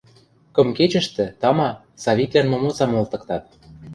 Кым кечӹштӹ, тама, Савиклӓн момоцам олтыктат.